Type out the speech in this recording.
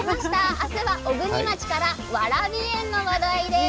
明日は小国町からわらびの話題です。